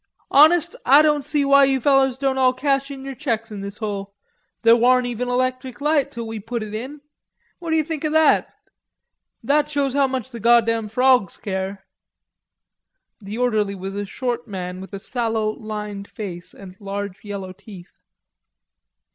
"Honest, I doan see why you fellers doan all cash in yer! checks in this hole.... There warn't even electric light till we put it in.... What d'you think o' that? That shows how much the goddam frawgs care...." The orderly was a short man with a sallow, lined face and large yellow teeth.